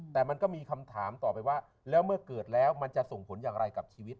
แต่มันก็มีคำถามต่อไปว่าแล้วเมื่อเกิดแล้วมันจะส่งผลอย่างไรกับชีวิต